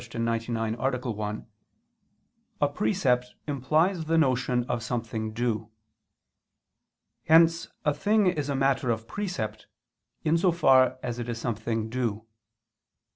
99, A. 1), a precept implies the notion of something due. Hence a thing is a matter of precept, in so far as it is something due.